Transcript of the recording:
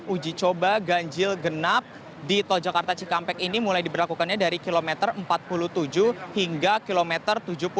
uji coba ganjil genap di tol jakarta cikampek ini mulai diberlakukannya dari kilometer empat puluh tujuh hingga kilometer tujuh puluh